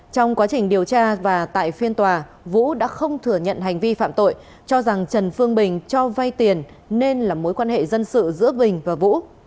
trong quá trình điều tra và tại phiên tòa vũ đã không thừa nhận hành vi phạm tội cho rằng trần phương bình cho vay tiền nên là mối quan hệ dân sự giữa bình và vũ